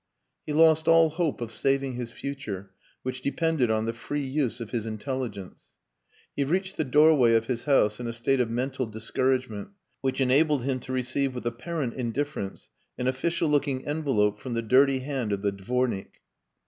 He lost all hope of saving his future, which depended on the free use of his intelligence. He reached the doorway of his house in a state of mental discouragement which enabled him to receive with apparent indifference an official looking envelope from the dirty hand of the dvornik.